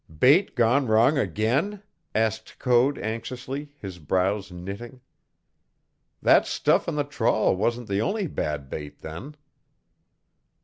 "Bait gone wrong again?" asked Code anxiously, his brows knitting. "That stuff on the trawl wasn't the only bad bait, then."